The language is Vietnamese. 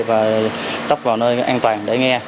và tóc vào nơi an toàn để nghe